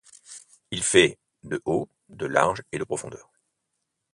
Il fait de haut, de large et de profondeur.